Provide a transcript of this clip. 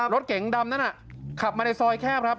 รถเก๋งดำนั้นขับมาในซอยแคบครับ